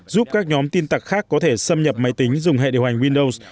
giúp các nhóm tin tặc khác có thể xâm nhập máy tính dùng hệ điều hành windows